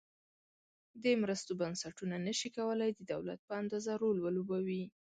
د مرستو بنسټونه نشي کولای د دولت په اندازه رول ولوبوي.